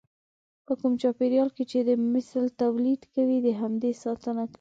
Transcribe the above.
په کوم چاپېريال کې چې د مثل توليد کوي د همدې ساتنه کوي.